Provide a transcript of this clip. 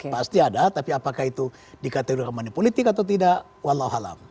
pasti ada tapi apakah itu dikategorikan money politics atau tidak wallahualam